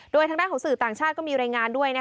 โดยทางด้านของสื่อต่างชาติก็มีรายงานด้วย